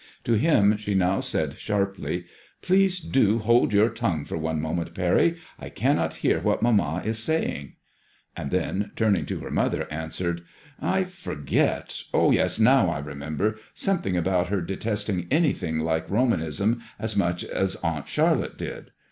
To him she now said sharply —Please do hold your tongue for one moment. Parry, I cannot hear what mamma is saying." And then, turning to her mother, answered —" I forget. Oh I yes — now I remember — something about her detesting anything like Roman ism as much as Aunt Charlotte did."